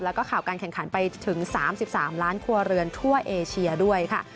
แล้วก็ข่าวการแข่งขันไปถึง๓๓ล้านครัวเรือนทั่วเอเชียด้วยค่ะ